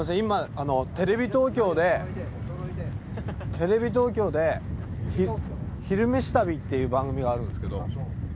テレビ東京で「昼めし旅」っていう番組があるんですけど。